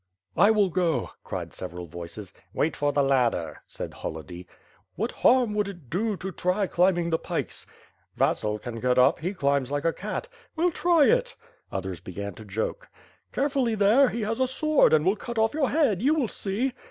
"I will go," cried several voices. "Wait for the ladder," said Holody. "What harm would it do to try climbing the pikes?" "Vasil can get up. He climbs like a cat." "Well try it." Others began to joke. "Carefully there; he has a sword and will cut oflE your head. You will see."